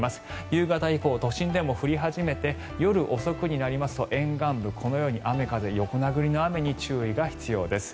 夕方以降都心でも降り始めて夜遅くになりますと沿岸部このように雨風、横殴りの雨に注意が必要です。